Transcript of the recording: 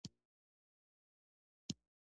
هر څوک په خپله مخه ولاړو.